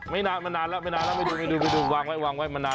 ไม่นานมันนานแล้วไม่นานแล้วไม่ดูวางไว้มันนาน